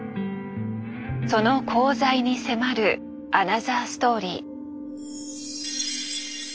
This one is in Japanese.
その功罪に迫るアナザーストーリー。